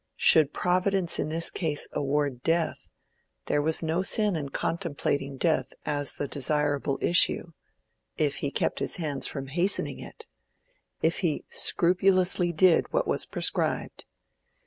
Should Providence in this case award death, there was no sin in contemplating death as the desirable issue—if he kept his hands from hastening it—if he scrupulously did what was prescribed.